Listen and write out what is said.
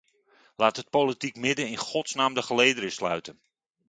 Laat het politiek midden in godsnaam de gelederen sluiten.